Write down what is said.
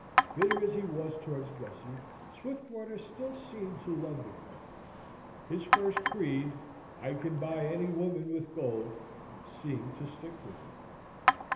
Bitter as he was towards Gussie, Swiftwater still seemed to love the girl. His first creed, "I can buy any woman with gold," seemed to stick with him.